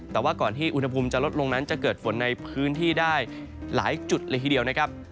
แต่ว่าก่อนที่อุณหภูมิจะลดลงนั้นจะเกิดฝนในพื้นที่ได้หลายจุดเลยทีเดียวนะครับ